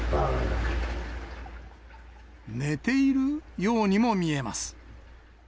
寝ているようにも見えます。